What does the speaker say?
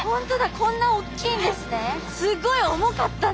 こんなおっきいんですね。